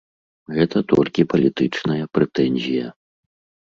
Гэта толькі палітычная прэтэнзія.